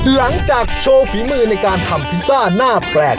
หลังจากโชว์ฝีมือในการทำพิซซ่าหน้าแปลก